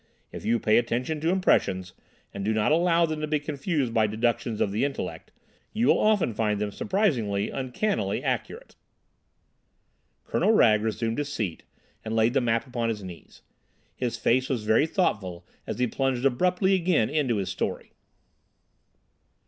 "If you pay attention to impressions, and do not allow them to be confused by deductions of the intellect, you will often find them surprisingly, uncannily, accurate." Colonel Wragge resumed his seat and laid the map upon his knees. His face was very thoughtful as he plunged abruptly again into his story.